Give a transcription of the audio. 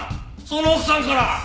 その奥さんから。